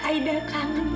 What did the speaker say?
aida kangen sama